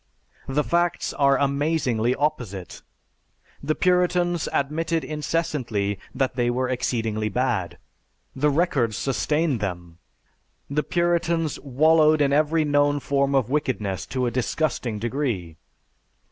The facts are amazingly opposite. The Puritans admitted incessantly that they were exceedingly bad. The records sustain them.... The Puritans wallowed in every known form of wickedness to a disgusting degree.